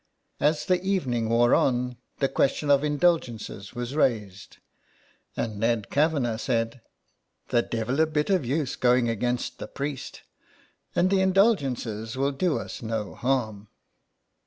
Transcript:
As the evening wore on the question of indulgences was raised, and Ned Kavanagh said: —" The devil a bit of use going against the priest, and the indulgences will do us no harm.''